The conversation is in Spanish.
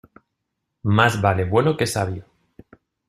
Más vale bueno que sabio.